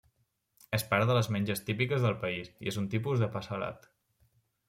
És part de les menges típiques del país i és un tipus de pa salat.